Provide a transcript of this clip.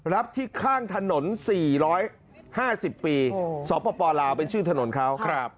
รับที่ข้างถนน๔๕๐ปีสปลาวเป็นชื่อถนนเขา